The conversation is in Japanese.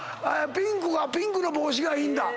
ピンクの帽子がいいんだ。